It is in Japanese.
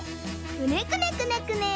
くねくねくねくね。